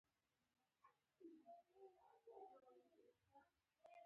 د دې خاوره زموږ وجود دی